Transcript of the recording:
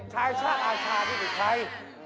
ชายชาติอาชานัยขาย